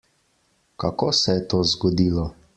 Kako se je to zgodilo?